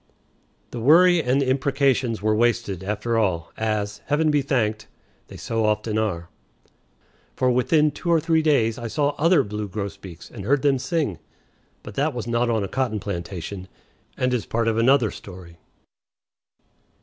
The worry and the imprecations were wasted, after all, as, Heaven be thanked, they so often are; for within two or three days I saw other blue grosbeaks and heard them sing. But that was not on a cotton plantation, and is part of another story.